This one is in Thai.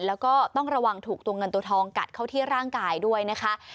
แล้วก็ต้องระวังถูกตัวเงินตัวทองกัดเข้าที่ร่างกายด้วยนะคะ